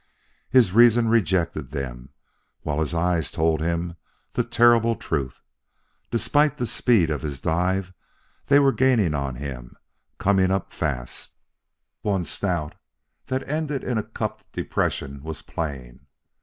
His reason rejected them while his eyes told him the terrible truth. Despite the speed of his dive, they were gaining on him, coming up fast; one snout that ended in a cupped depression was plain.